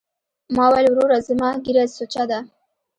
ما وويل وروره زما ږيره سوچه ده.